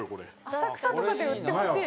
浅草とかで売ってほしい。